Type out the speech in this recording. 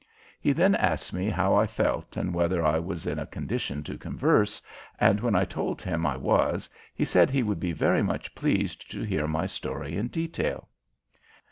He then asked me how I felt and whether I was in a condition to converse, and when I told him I was he said he would be very much pleased to hear my story in detail.